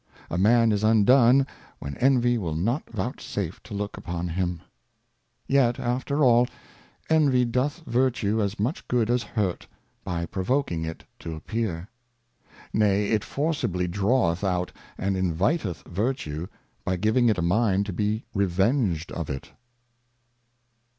A Man is undone, when Envy will not vouchsafe to look upon him. Yet after all. Envy doth Virtue as much good as hurt, by provoking it to appear. Nay, it forcibly draweth out, and inviteth Virtue, by giving it a Mind to be revenged of it.